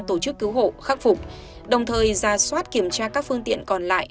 tổ chức cứu hộ khắc phục đồng thời ra soát kiểm tra các phương tiện còn lại